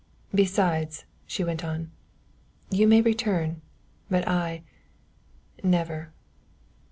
"Besides," she went on, "you may return, but I never.